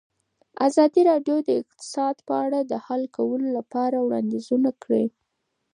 ازادي راډیو د اقتصاد په اړه د حل کولو لپاره وړاندیزونه کړي.